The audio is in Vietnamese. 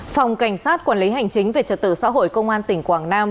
phòng cảnh sát quản lý hành chính về trật tự xã hội công an tỉnh quảng nam